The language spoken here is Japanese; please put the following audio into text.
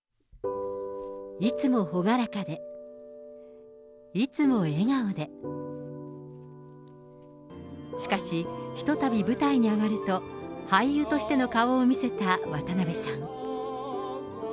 いつも朗らかで、いつも笑顔で、しかし、ひとたび舞台に上がると、俳優としての顔を見せた渡辺さん。